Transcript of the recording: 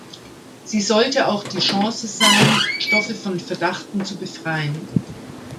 Sie sollte auch die Chance sein, Stoffe von Verdachten zu befreien.